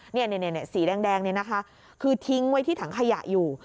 นี่สีแดงนี่นะคะคือทิ้งไว้ที่ถังขยะอยู่